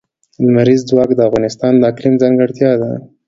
لمریز ځواک د افغانستان د اقلیم ځانګړتیا ده.